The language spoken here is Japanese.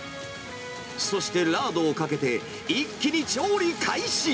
そしてラードをかけて一気に調理開始。